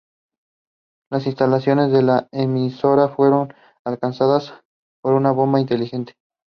Las instalaciones de la emisora fueron alcanzadas por una bomba "inteligente".